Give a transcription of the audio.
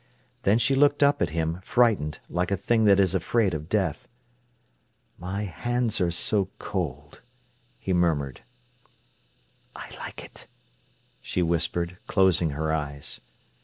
Then she looked up at him, frightened, like a thing that is afraid of death. "My hands are so cold," he murmured. "I like it," she whispered, closing her eyes.